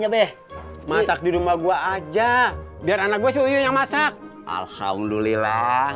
ya beb masak di rumah gua aja biar anak gue seuyunya masak alhamdulillah